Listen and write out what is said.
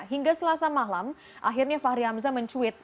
hingga selasa malam akhirnya fahri hamzah mencuit